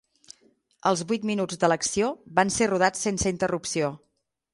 Els vuit minuts de l'acció van ser rodats sense interrupció.